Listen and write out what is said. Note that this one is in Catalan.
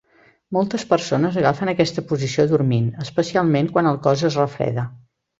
Moltes persones agafen aquesta posició dormint, especialment quan el cos es refreda.